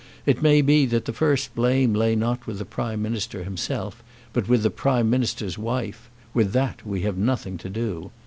It may be that the first blame lay not with the Prime Minister himself, but with the Prime Minister's wife. With that we have nothing to do.